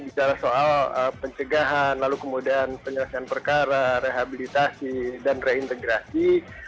bicara soal pencegahan lalu kemudian penyelesaian perkara rehabilitasi dan reintegrasi